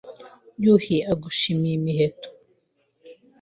Yuhi agushimiye imiheto